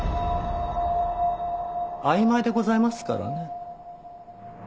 曖昧でございますからね。